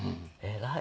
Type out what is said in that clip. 偉い。